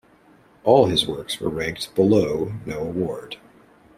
All his works were ranked below "No Award".